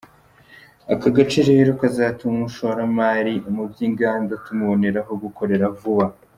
Ako gace rero kazatuma umushoramari mu by’inganda tumubonera aho gukorera vuba”.